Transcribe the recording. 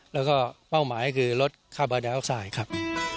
แล้วก็เป้าหมายก็คือลดคาร์บอดแอลออกไซด์ครับ